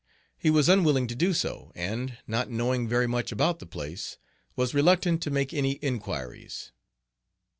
He was unwilling to do so, and, not knowing very much about the place, was reluctant to make any inquiries.